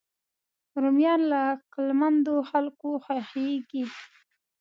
رومیان له عقلمندو خلکو خوښېږي